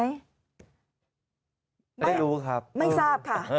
ไม่รู้ครับไม่ทราบค่ะ